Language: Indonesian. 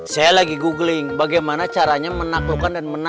saya lagi googling bagaimana caranya menaklukkan dan menangkap